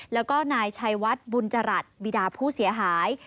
แล้วก็นายชัยวัดบุญจรัสบิดาผู้เสียหาย